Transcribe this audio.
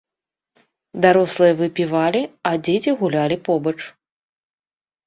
Дарослыя выпівалі, а дзеці гулялі побач.